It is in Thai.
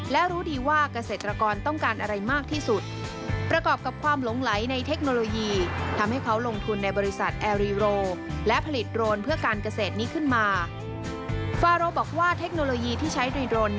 และรู้ดีว่าเกษตรกรต้องการอะไรมากที่สุด